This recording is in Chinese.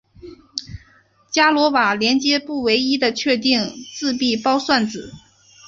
伽罗瓦连接不唯一的确定自闭包算子。